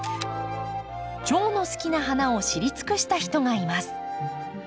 チョウの好きな花を知り尽くした人がいます。